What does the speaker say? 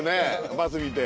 バス見て。